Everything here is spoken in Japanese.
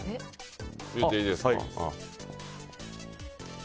言っていいですか？